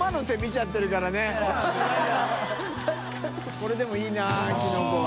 海でもいいなキノコは。